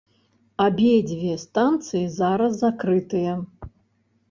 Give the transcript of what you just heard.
Абедзве станцыі зараз закрытыя.